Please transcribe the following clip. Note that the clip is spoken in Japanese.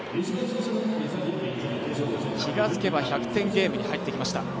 気がつけば１００点ゲームに入ってきました。